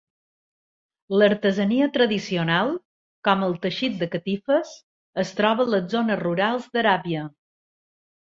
L'artesania tradicional, com el teixit de catifes, es troba a les zones rurals d'Aràbia.